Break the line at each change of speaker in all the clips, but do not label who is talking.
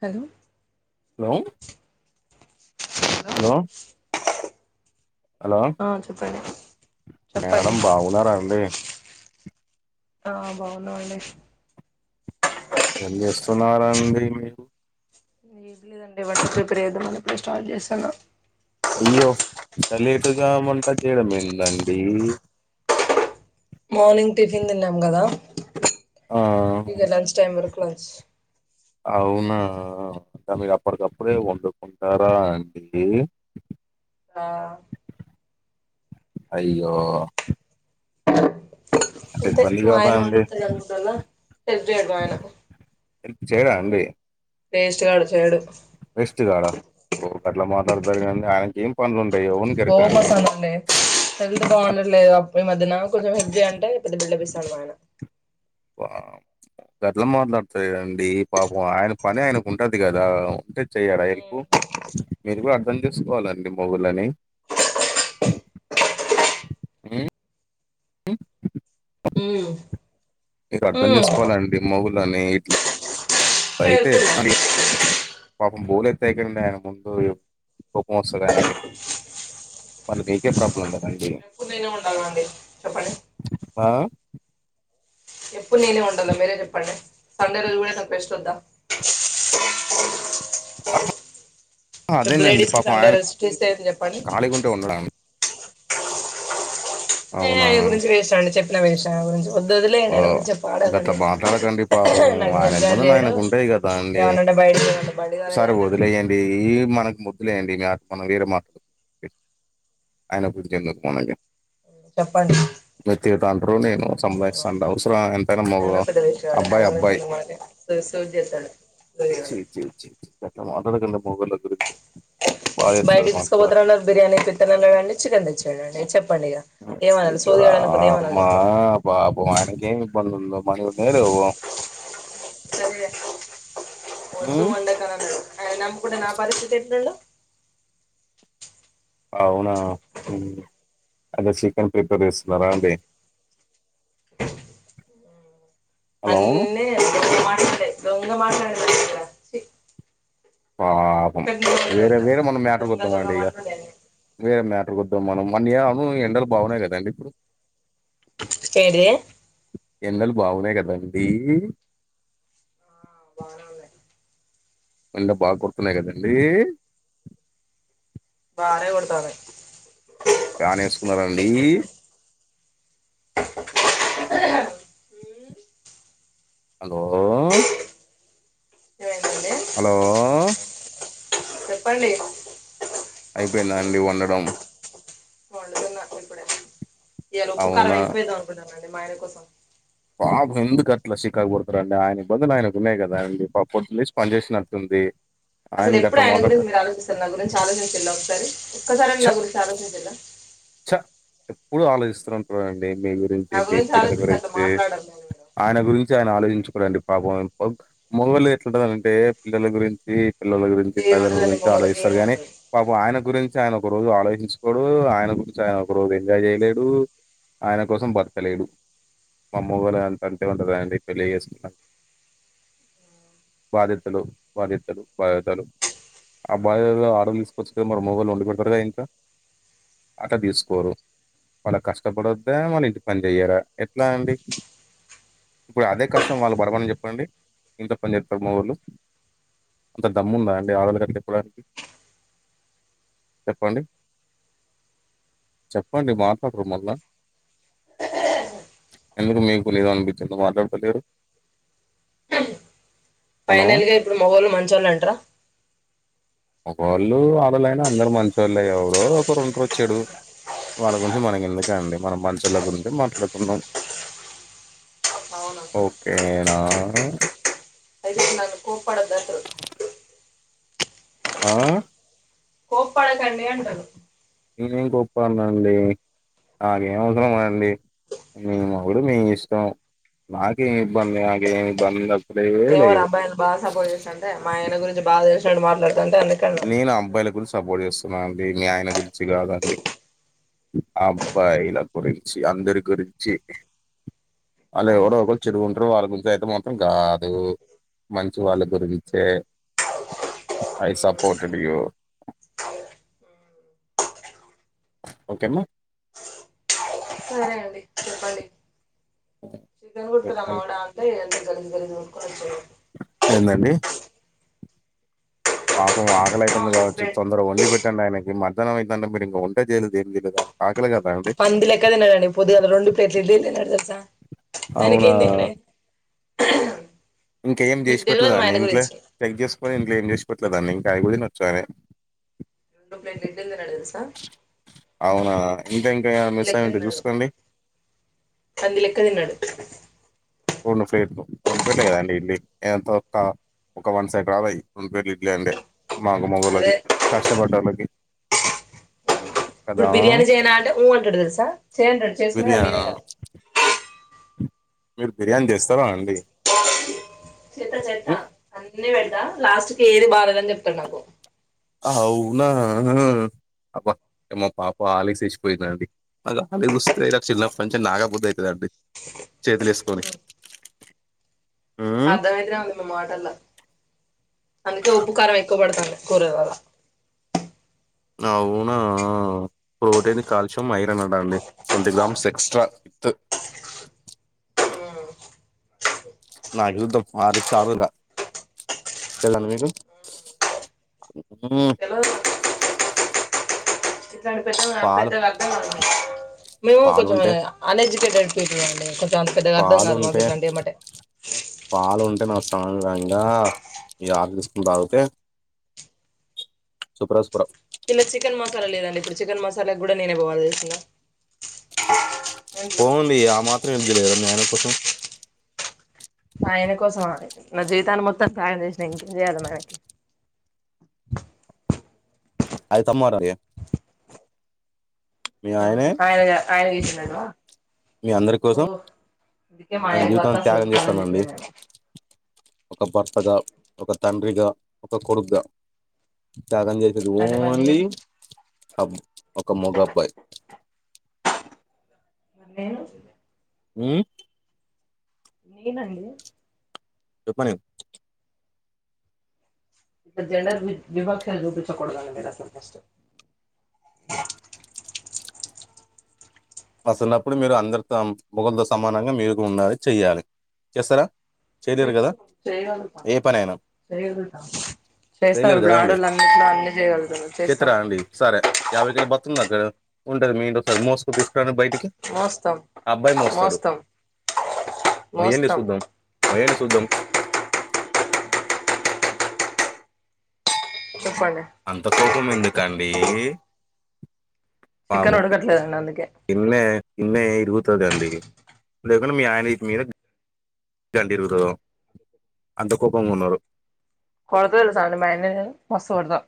Hello
hello hello hello
ఆ చెప్పండి చెప్పండి
మేడం బాగున్నారా అండి
ఆ బాగున్నా అండీ
ఎన్నిస్తున్నారండి మీరు
ఏది లేదండి బటర్ ప్రిపేర్ ఏదమ్ అని ఎప్పుడే స్టార్ట్ చేస్తాన
అయ్యో సలేటుగా వంట చేయడం ఏందండి
మార్నింగ్ టిఫిన్ తిన్నాం కదా
ఆ
ఇక లంచ్ టైమ్ వరక్ క్లోస్
అవునా తామీరు అప్పటికప్పుడే వండుకుంటారా అండి
ఆ
అయ్యో అంటే
అంతే
ఇబ్బంది
మా
కాదా
ఆయన
అండి
[unintelligible] అనుంటలా హెలెప్ చేయారు మా ఆయన
ప్ చేయడా అండి
టేస్ట్ గాడు చేడు
వెస్తుగాడా ఓ ఆట్లా మాట్లాడగిండి ఆయనకి ఏం పనులు ఉంటాయి వన్ గరికరాండి
హెల్తు బాగుండట్లేదు అ ఈ మధ్యన కొంచెం హెలపు చ్ అంటే పెద్ద బిడ్లపిస్తాను మా ఆయన
వాహ్ గట్లు మాట్లాడుతాయిండి పాపం ఆయన పని ఆయనకు ఉంటది కదా ఉంటే చెయడా ఎల్పు మీరు గు కన్ చేసుకోవాలండి మొగుడ్లాని మ్
మ్మ్
మీరు అర్థం
మ్మ్ మ్మ్
చేసుకోవాలండి మోగు ఇట్లానే ఇట్లా అయితే
చేస్తున్నా
ఎట్లానో పాపం బూలయితే యకదుండి ఆయన ముందు కోపం వస్తుంది ఆయనకి వాళ్ళ మీకే ప్రాబ్లం కదండి
అండీ చెపాండి
ఆ?
ఇప్పుడు నేనే ఉండాల మీరే చెప్పండి సండే రోజు కూడా నాకు రెస్టు వద్దా అ ఇ బ్లేడ్
అదేనండి
ఇస్త
పాపం
కండ
ఆయన
రెస్ట్ ఇస్తే అని చెప్పండి
ఖాళీగా ఉంటే ఉండడం
ఏ
అవునా
అయన గురించి వేస్ట్అండి చెప్పినా వి దనిగురించి వాడు
ఓ,
వదిలేయండి ఆయన గురించి
గట్లా
పాడకుండి
మాట్లాడకండి పాపం
నాకు గు
ఆయన ఇబ్బందులు
చేడం
ఆయనకు ఉంటాయి కదా అండి
ఏమనంటే బయడికి ఏంట బండిగాలీ
సరే
ఏదంటడు
వదిలేయండి ఈ మనకు ముద్దులేయండి ఇంకా మనం వేరే మాట్లాడు ఆయనప్పుడు చెందదు మనకి
చెప్పండి
తండ్ర నేను
ఆ,
సంపాదిస్తాంటే అవసరం ఎంతైనా మ
ఆయన పెద్ద వేస్ట్ కాడు ఆయన
అబ్బాయి
గురించి
అబ్బాయి
ఎందుకు మనకి సూ- సూట్ చేస్తాడు
చీ
దొరికాడు
చీ చీ గట్ల మాట్లాడకండి మోగలా గురించి బాధేస్తది
బయటి
మాకు కూడా
తీసుకోబపోతు అన్నారు బిర్యానీ పిత్తనండి చికెన్ తెచ్చడి చెప్ప
అయ్యోరామ
చెప్పండి
బాబనకే బందంద మనం వేరే పోదాం
సర్లే ఒద్దు వండకు అన్న అన్నడు ఆయను నమ్ముకుంటే నా పరిస్థితి ఎంటండు
ఆవునా అ చికెన్ ప్రిపేర్ చేస్తున్నరండి [inaudible]
అన్ని దొంగ మాటలే దొంగ మాట్లాలేండి చీ
పాపం వేరే వేరే మనం మ్యాటర్
దొంగ
విధం
దొంగ
అండి ఇక
మాట్లాడే అన్నీ.
వేరే మ్యాటర్ ద్దాం మనం అన్నయా అ ఎండలు బాగున్నాయి కదండి ఇప్పుడు
ఏడిది
ఎండలు బాగున్నాయి కదండి
ఆ బానే ఉనాయి
ఎండలు బాగా కొడుతున్నాయి కదండీ
బానే కొడతన్నాయి
ఫ్యాన్ వేసుకున్నండి హలో
ఏమైందండి
హలో
చెప్పండి
అయిపోయిందా అండి వండడం
వండుతున్న ఇప్పుడే ఇళ ఉప్పుకారం
అవునా
ఎక్కువేస అనుకుంటున్నానండి మా ఆయన కోసం
పాప ఎందుకు అట్లా షికాకు పతారురండి ఆయన ఇబ్బందులు ఆయనకు ఉన్నాయి కదా అండి పా పడుసి పనీ చేసినట్టుతుంది
అసలు ఎప్పుడు ఆయన గురించి మీరు ఆలోచిస్తారు నా గురించి ఆలోచించా ఒకసారి ఒకసరైన నా గురి ఆలోచిన్నచీర
చ ఎప్పుడు ఆలోచిస్తారంటుడి మీ గురించి
నా
మీ పిల్లల
ఆలోచిస్తే అట్లా
గురించి
మాట్లాడరు నేను మేడం
ఆయన గురించీ ఆయన ఆలోచించుకోడండి పాపం మొగళ్ళు ఎట్లాంటంటే పిల్లల గురించి పిల్లల గురించి
ఏముండదండి
తల్లిదండ్రులగురించి
మొగలకి
ఆలోచిస్తారు కానీ
ఏముండదు
పాపం ఆయన గురించి ఆయన ఒక రోజు ఆలోచించుకోవడు ఆయన గు న ఒక రోజు ఎంజాయ్ చేయలేడు ఆయన కోసం బతకలేడు మె మొగుళ్ళు అంతంటే ఉండదాని పెళ్లి చేస్తున్నా బాధితలు బాధ్యతలు బాధ్యతలు ఆ బాధ్యతలు ఆడాళ్ళు తీసుకోవచ్చు కదా మొగోళ్ళు వండుకుంటారు కదా ఇంట్ల అట్లా తీసుకోరు వాళ్ళ కష్టపడొద్దా వాళ్ళ ఇంటి పని చెయ్యరా ఎట్లా అండి ఇప్పుడు అదే కష్టం వాళ్ళు పడమని చెప్పండి ఇంట్ల పనిచేస్తారు మొగోళ్ళు అంత దమ్ము ఉందా అండి ఆడల్లో కట్టకోడానికి చెప్పండి చెప్పండి మాట్లాడ్ర మళ్లా ఎందుకు మీకు లేద అనిపించిందో మాట్లాడకోలేరు
పైనల్గా ఇప్పుడు మగోళ్ళ మంచివోళ్ళు అంటారా
మొగోళ్ళుఆడలైనా అందరు మంచోలే ఎవరో ఒక ఒకరు ఉంటారు చెడు వాళ్ళ గురించి మనకి ఎందుక అండి మన మనుషుల గురించి మాట్లాడుకున్నాం
అవునా
ఓకేనా
అయితే నన్ను కోప్పడద్దు అంటారు
[inaudible] ఆ
పడకండి అంటను
నేనేం కోప్పున్నాండి నాకేం అవసరండి మీ మొగుడు మీ ఇష్టం నాకేమి ఇబ్బంది నాకేమి ఇబ్బంది ఉంద్
ఏమోరా అబ్బాయిని బాగా సపోర్ట్ చేస్తా అంట మా ఆయన గురించి బాగా తెలుాడు మాట్లా
నేను అబ్బాయిల గురించి సపోర్ట్ చేస్తున్నా అండి మీ ఆయన గురించి కాదండి అబ్బా ల గురించిి అందరు గురించిి వాళ్ళ
అవునా
ఎవడో ఒకరు చెడు ఉంటారు వాళ్ళ గుంపు అయితే మాత్రం కాదు మంచి వాళ్ళ గురించే ఐసప్
ఉమ్,
ఫోర్ట్ డియో ఓకే మా
సరే అండి
అఓకే
కుట్కు రా మొగుడ అంటే అంత గలీజ్ గలీజ్ కొట్టుకొని వచ్చిండు
ఏందండి పాపం ఆకల
మా
అయితవుంది కావచ్చు
హస్బెండ్
తొందర వండి పెట్టండి ఆయనకి మధ్యాహనం అయితు అంటేరు ఇంకా వంటే చేయలేదు ఏం తెలీదు
పంది లెక్క తినడండి పొదుగాలా రెండు ప్లేట్లు ఇడ్లీ తన్నాడు తెలుసా
అవునా
దొరికిందేలే
ఇంకేం చేసి
మా
పెట్లేదానే
ఆయన
ఇంట్లో
గురించి
చెక్ చేసుకొనిం నేన్ చేసుకోవట్లేదానే ఇంకా అవి కూడా నొచ్చానే
రెండు ప్లేట్ల ఇడ్లీలు తిన్నాడు తెలుసా
అవునా ఇంకా ఇంకా
పంది
మిస్
లెక్క
అయ్యి ఉంటే
తిన్నాడు
చూసుకోండి
పంది లెక్క తిన్నాడు
రొండు ఫెట్లు రెండు ప్లేట్లె కదండి ఇడ్లీ ఎంత ఒక ఒక వన్ సైడ్ రావాయి రెండు ప్లేట్లు ఇడ్లీ అండే మాకు మగ్గోలకి
అదే
కష్టపడ్డ వాళ్ళకి
ఇప్పుడు బిర్యానీ చేయనా అంటే ఉ అంటాడు తెలుసా చెయ్ అంటాడు చేసుకునేద్దాన్ని
బిర్యానీ
నేనే కదా
మీరు బిర్యానీ చేస్తారాండి ఉమ్
ఇన్నే పెడదా లాస్ట్ కి ఏది బాలేదని చెప్తాను నాకు
అవునా ఆహా అబ్బ మా పాప ఆలేసేసిపోయిందండి గాలి చూస్తే ఇలా చిన్నంచం నాగాబుద్ద అవుతుద అండి చేతిలేసుకొని
అర్ధంయితేనే ఉంది మీ మాటల్ల్లో అందుకే ఉప్పు కారం ఎక్కువ పడుతుం కురాలాల
అవునా ప్రోటటీన్ కాల్ష్యం ఐరన్ ఉంటండి ట్వంటీ గ్రామ్స్ ఎక్స్ట్రా విత్ నాగద్ద పాల చనుల చెల్లుది మీకు ఉమ్
తెలవదు ఇట్లాంటి పెద్ద
పాలు
పెద్దగార్గా మేము కొంచెం
పాలుంటే
అన్ఎడ్యుకేటెడ్ అండి కొంచెం అంత పెద్దగా అర్థం కాదు మాకు
పాలుంటే
ఇట్లా అండి అమ్మటే
అయితే నా స్వామిరంగా ఈగ తీసుకుని తాగితే సుప్రాస్పుర
ఇల్ చికెన్ మసాలా లేదండి ఇప్పుడు చికెన్ మసాలా కూడా నేనే బోవాలి తెలుసునా
పొండి ఆ మాత్రం ఏం చేయలేరా మీ ఆయన కోసం
ఆయన కోసం మా నా జీవితాన్ని మొత్తం త్యాగం చేసిన ఇంకేం చేయ్యాలా మా ఆయన కి
అయితే మారరు ఇక
ఆయన ఆయన చేసినాడు
మీ అందరి కోసం
ఓ ఇది మయ
ఆయన జీవితాన్ని త్యాగం చేస్తానండి
[unintelligible]
ఒక భర్తగా ఒక తండ్రిగా ఒక కొడుకుగా త్యాగం చేసంది
అంటే మరి
ఓన్లీ
నేను
ఆబ్ ఒక మూగ అబ్బాయి్
మరి నేను
ఉమ్
[unintelligible]
చెప్ప మరి
ఇక జన వి విభాక్ష చూపించ కూడదు అండి ఫస్ట్ మీరు అసలు
నా చిన్నప్పుడు మీరు అందరితో [unintelligible] సమానంగా మీరుగా ఉండాలి చెయ్యాలి చేస్తారా చేయలేరు కదా
చేయగలుగుత
ఏ పనైనా
చేయగలుగుత
చేయలేరు కదాండి
చేయగలుగుతాం చేస్తాం
చెత్తరా అండి సరే యాబై కిలోల బస్తా మోస్తర ఉంటది మీం ఒకసారి మోసుకు తీసుకుని బయటికి
మోస్తాం
అబ్బాయి మోస్తాడు
మోస్తాం
మోయండి
మోస్తాం
చూద్దాం మ చూద్దాం
చెప్పండి
మ్మ్ ఎందుకండి
చికెన్
[unintelligible]
ఉడకట్లేదండి అందుకే
వెన్నె ఇరుగుతుందిండి లేకుండా మీ ఆయన మీద చండీరుతు అంత కోపంగా ఉన్నారు
కొడతల సధనం బనే మస్త కొడుతా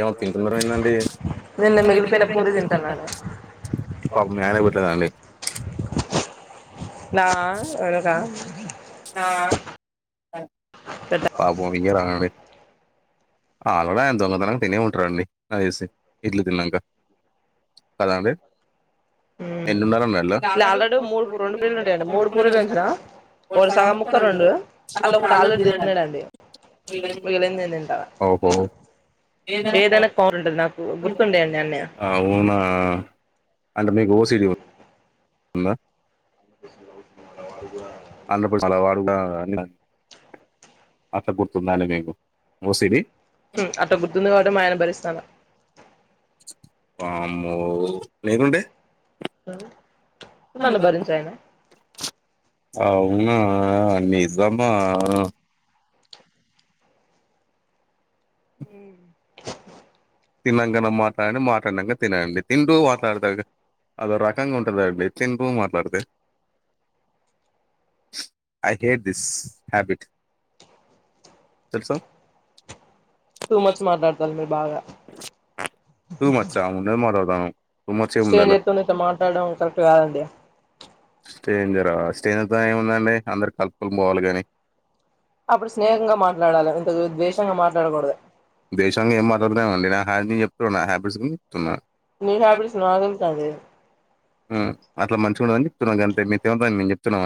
ఏమో తింటున్నారు ఏందండి
నిన్న మిగిలిపోయిన పూరి తింటాన్నాడు
పాపం మీ ఆయనకు పెట్టలేదాండి
నా ఆయనకా
హా
పెద్ద
పాపం ఇయ రాే ఆలాగా ఆయన దొంగతనంగా తినే ఉంటారండి నా తెలిసి ఇడ్లీ తిన్నాక కదండి రెండున్నర నెలలు
ఇలా ఆల్రెడీ మూడు రెండు పూరీలు ఉంటాయండి మూడు పూరీలు ఉంచిన
[unintelligible]
ఒకటి సగం ముక్క రెండు అలా ఒకటి ఆల్రెడీ తిన్నాడండి మిగిలింది నేను తింటా
ఓహో
ఏదైనా కౌంట్ ఉంటది నాకు గుర్తుండేయండి అన్నీ
అవునా అంటే మీ
దోసె
ఇంగ ఆంధ్రప్రదేశ్ చాల వాడు అట్లా గుర్తుండి మీకు ఓసి డి
అట్లా గుర్తుంది కాబట్టి మా ఆయన భరిస్తాన
వామ్మో లేకుంటే
నన్ను భరించు ఆయన
వావ్ అనా నిజమా
ఉమ్
తిన్నాకనే మాట్లాడండి మాట్లాడాంగా తినండి తింటూ మాట్లాడుతారు గా అదో రకంగా ఉంటుందండి తింటూ మాట్లాడితే ఐ హేట్ దిస్ హ్యాబిట్ తెలుసా
టూ మచ్ మాట్లాడతారు మీరు బాగా
సూ మచ్చా ముందర్ మాదాన సూ మచ్చే
స్ట్రేంజర్
ఉందలో
జర్తోని ఇట్లా మాట్లాడడం కరెక్ట్ కాదండి
స్టేంజరా స్టేంజర్తో ఏముందండి అందరు కలుపుని పోవాలి కాని
అప్పుడు స్నేహంగా మాట్లాడాలి ఇంత ద్వేషంగా మాట్లాడకూడదు
దేశాంగా ఏం మాట్లాడుతాండి [unintelligible]
నీ హ్యాబిట్స్ బాగుంటది
అట్లా మంచిగా ఉండదని చెప్తున్నా గంటే మీ ఏమన్నాని మేము చెప్తున్నాం